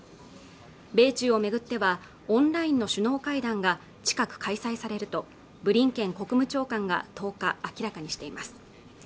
米中を巡ってはオンラインの首脳会談が近く開催されるとブリンケン国務長官が１０日明らかにしています